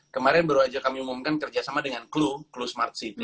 kemarin baru saja kami umumkan kerjasama dengan clue clue smart city